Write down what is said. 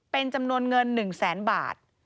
เป็นจำนวนเงิน๑แสนบาท